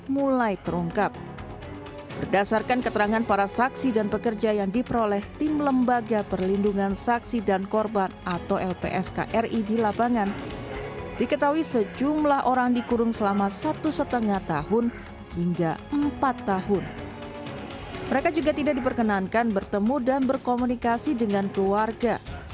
mereka juga tidak diperkenankan bertemu dan berkomunikasi dengan keluarga